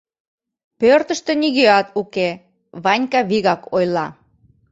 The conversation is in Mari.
Пӧртыштӧ нигӧат уке, Ванька вигак ойла: